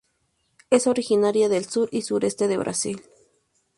Es originaria del sur y sureste de Brasil.